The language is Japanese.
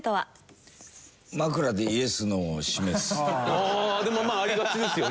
ああでもまあありがちですよね。